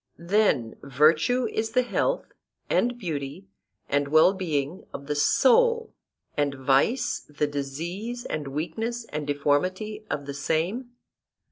Then virtue is the health and beauty and well being of the soul, and vice the disease and weakness and deformity of the same?